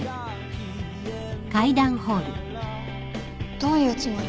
どういうつもり？